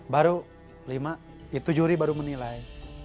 baru lima itu juri baru menilai